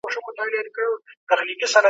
آیا د نوي نصاب کتابونه په کور دننه چاپیږي؟